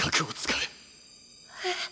えっ？